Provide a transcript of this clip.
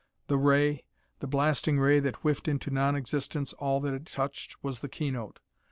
The ray, the blasting ray that whiffed into non existence all that it touched, was the keynote.